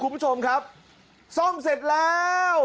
คุณผู้ชมครับซ่อมเสร็จแล้ว